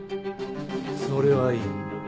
それはいい。